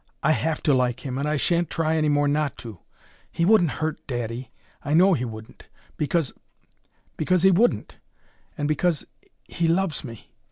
"I have to like him, and I shan't try any more not to! He wouldn't hurt daddy, I know he wouldn't because because he wouldn't and because he loves me!"